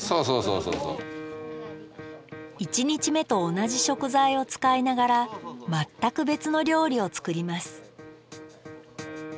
一日目と同じ食材を使いながら全く別の料理を作ります